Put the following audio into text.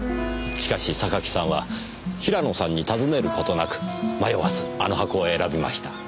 しかし榊さんは平野さんに尋ねることなく迷わずあの箱を選びました。